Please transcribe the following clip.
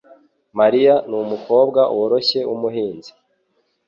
Mariya numukobwa woroshye wumuhinzi.